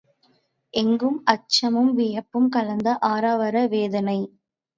எங்கும் அச்சமும் வியப்பும் கலந்த ஆரவார வேதனை.